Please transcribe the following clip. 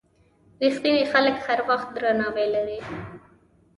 رښتیني خلک هر وخت درناوی لري.